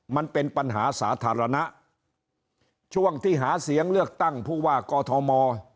มันเป็นปัญหาสาธารณะช่วงที่หาเสียงเลือกตั้งผู้ว่ากอทม